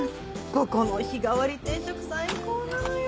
ここの日替わり定食最高なのよ。